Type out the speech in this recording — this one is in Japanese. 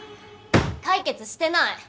解決してない！